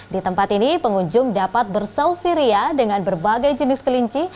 di tempat ini pengunjung dapat berselfie ria dengan berbagai jenis kelinci